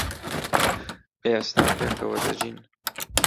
ئێستا پێکەوە دەژین.